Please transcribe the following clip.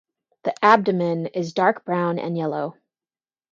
The abdomen is dark brown and yellow.